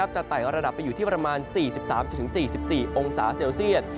ไต่ระดับไปอยู่ที่ประมาณ๔๓๔๔องศาเซลเซียต